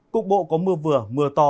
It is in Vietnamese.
cục bộ có mưa vừa mưa to